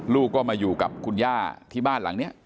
ลูกก็มาอยู่กับคุณย่าที่บ้านหลังนี้